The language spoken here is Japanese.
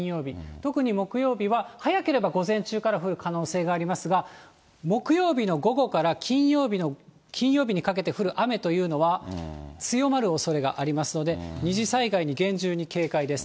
特に木曜日は、早ければ午前中から降る可能性がありますが、木曜日の午後から金曜日にかけて降る雨というのは強まるおそれがありますので、二次災害に厳重に警戒です。